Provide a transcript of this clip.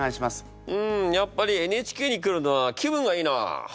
うんやっぱりＮＨＫに来るのは気分がいいなあ。